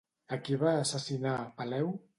A qui va assassinar, Peleu?